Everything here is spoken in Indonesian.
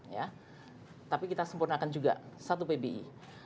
ya tapi kita sempurnakan juga satu pbi